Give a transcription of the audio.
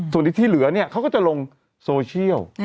ส่วนที่เหลือเนี่ยเขาก็จะลงโซเชียล